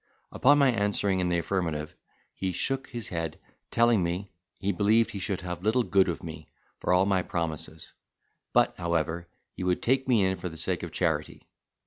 Upon my answering in the affirmative, he shock his head, telling me, he believed he should have little good of me, for all my promises; but, however, he would take me in for the sake of charity.